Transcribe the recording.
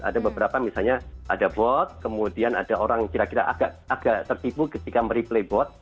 ada beberapa misalnya ada bot kemudian ada orang kira kira agak tertipu ketika mereplay bot